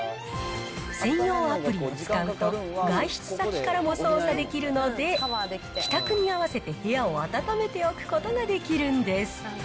専用アプリを使うと、外出先からも操作できるので、帰宅に合わせて部屋を温めておくことができるんです。